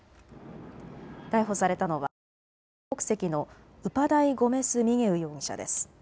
逮捕されたのはポルトガル国籍のウパダイ・ゴメス・ミゲウ容疑者です。